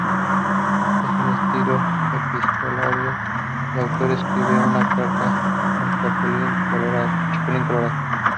En un estilo epistolario, el autor escribe una carta al Chapulín Colorado.